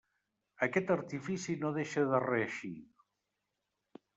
Aquest artifici no deixa de reeixir.